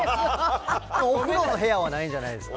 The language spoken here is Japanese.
お風呂の部屋はないんじゃないですか？